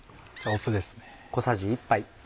酢ですね。